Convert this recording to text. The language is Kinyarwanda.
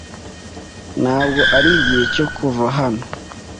Ntabwo arigihe cyo kuva hano?